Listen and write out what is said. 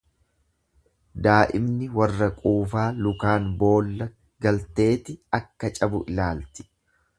Daa'imni warra quufaa lukaan boolla galteeti akka cabu laalti.